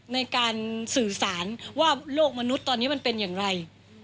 ในการสื่อสารว่าโลกมนุษย์ตอนนี้มันเป็นอย่างไร